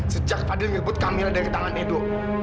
sejak fadil ngebut kamila dari tangan edo